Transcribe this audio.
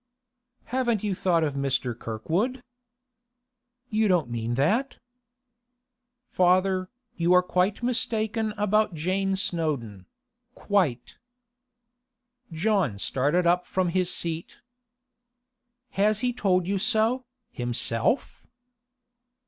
'Haven't you thought of Mr. Kirkwood?' 'You don't mean that?' 'Father, you are quite mistaken about Jane Snowdon—quite.' John started up from his seat. 'Has he told you so, himself?